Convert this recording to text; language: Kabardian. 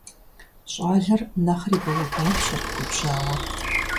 Щӏалэр нэхъри бауэбапщэрт губжьауэ.